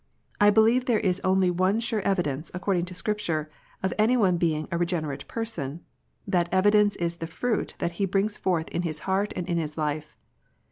I believe there is only one sure evidence, according to Scripture, of any one being a re generate person. That evidence is the fruit that he brings fortli in his heart and in his life.